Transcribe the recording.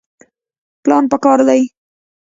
پلان پکار دی